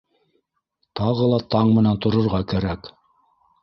Тағы ла таң менән торорға кәрәк.